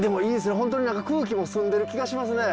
本当に何か空気も澄んでる気がしますね。